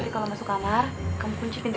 kalo masuk kamar kamu kunci pintunya ya